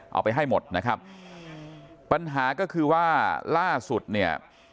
เอาไปให้หมดนะครับปัญหาก็คือว่าล่าสุดเนี่ย